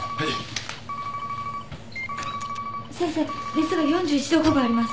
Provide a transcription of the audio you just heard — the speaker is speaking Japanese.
熱が４１度５分あります。